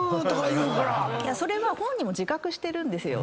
それは本人も自覚してるんです。